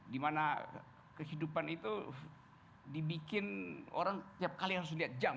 dimana kehidupan itu dibikin orang tiap kali harus lihat jam